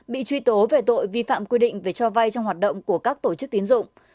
bị truy tố về tội vi phạm quy định về cho vay trong hoạt động của các tổ chức tín dụng